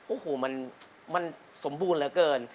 โอ้โหมันสมบูรณ์เหลือเกิน